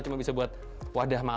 cuma bisa buat wadah